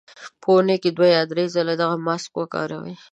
په اونۍ کې دوه یا درې ځله دغه ماسک وکاروئ.